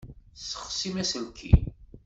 Tessexsim aselkim.